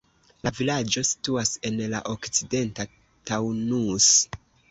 La vilaĝo situas en la okcidenta Taunus.